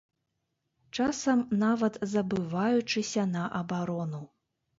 Часам нават забываючыся на абарону.